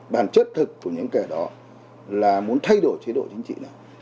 bản chất thực của những kẻ đó là muốn thay đổi chế độ chính trị nào